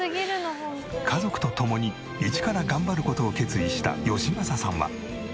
家族と共に一から頑張る事を決意した義正さんは。